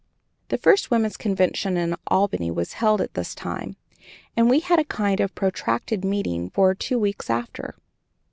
The first woman's convention in Albany was held at this time, and we had a kind of protracted meeting for two weeks after.